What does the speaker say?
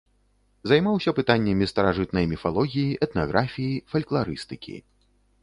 Займаўся пытаннямі старажытнай міфалогіі, этнаграфіі, фалькларыстыкі.